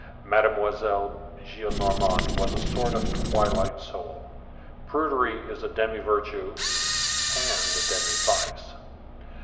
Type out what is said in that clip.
Mademoiselle Gillenormand was a sort of twilight soul. Prudery is a demi virtue and a demi vice.